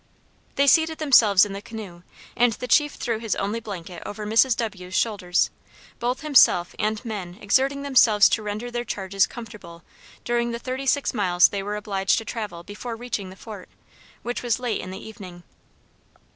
They seated themselves in the canoe, and the chief threw his only blanket over Mrs. W 's shoulders, both himself and men exerting themselves to render their charges comfortable during the thirty six miles they were obliged to travel before reaching the fort, which was late in the evening.